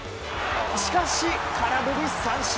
しかし、空振り三振。